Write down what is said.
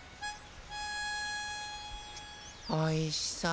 おいしそう！